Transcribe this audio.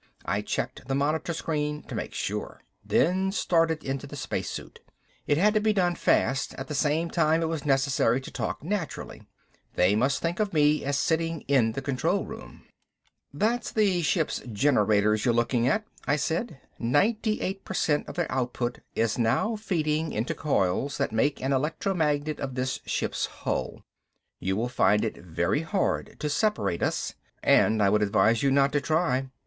I checked the monitor screen to make sure, then started into the spacesuit. It had to be done fast, at the same time it was necessary to talk naturally. They must still think of me as sitting in the control room. "That's the ship's generators you're looking at," I said. "Ninety eight per cent of their output is now feeding into coils that make an electromagnet of this ship's hull. You will find it very hard to separate us. And I would advise you not to try."